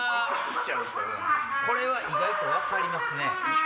これは意外と分かります。